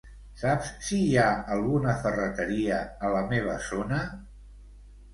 Saps si hi ha alguna ferreteria a la meva zona?